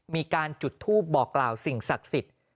มีการจุดทูปบอกกล่าวสิ่งศักดิ์สิทธิ์